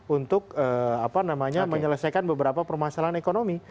untuk apa namanya menyelesaikan beberapa permasalahan ekonomi